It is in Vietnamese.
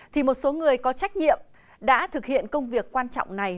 thì một số người có trách nhiệm đã thực hiện công việc quan trọng này